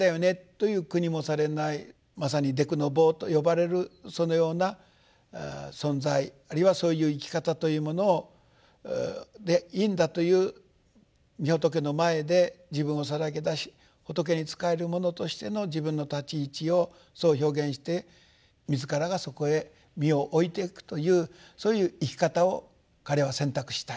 まさに「デクノボー」と呼ばれるそのような存在あるいはそういう生き方というものでいいんだというみ仏の前で自分をさらけ出し仏に仕える者としての自分の立ち位置をそう表現して自らがそこへ身を置いていくというそういう生き方を彼は選択したいと。